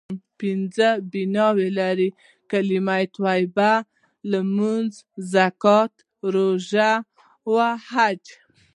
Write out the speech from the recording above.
اسلام پنځه بناوې لری : کلمه طیبه ، لمونځ ، زکات ، روژه او حج